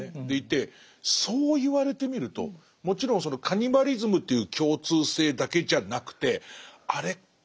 でいてそう言われてみるともちろんそのカニバリズムという共通性だけじゃなくてあれっ？